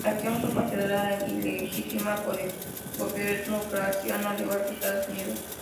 La acción fue considerada ilegítima por el gobierno ucraniano, al igual que Estados Unidos.